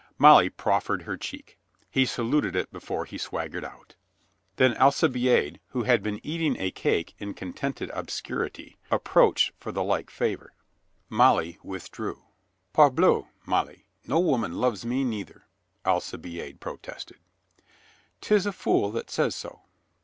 Molly proffered her cheek. He saluted it before he swaggered out. Then Alcibiade, who had been eating a cake in contented obscurity, approached for the like favor. 293 294 COLONEL GREATHEART Molly withdrew. "Parbleu, Molly, no woman loves me neither," Alcibiade protested. " 'Tis a fool that says so."